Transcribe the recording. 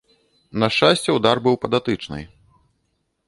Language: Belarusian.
На шчасце, удар быў па датычнай.